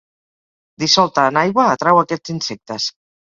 Dissolta en aigua atrau aquests insectes.